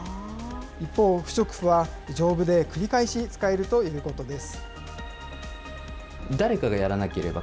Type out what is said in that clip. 一方、不織布は丈夫で繰り返し使えるということです。